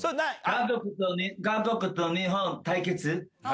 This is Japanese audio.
韓国と日本対決。